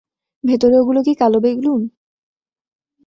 ভেতরে ওগুলো কি কালো বেলুন?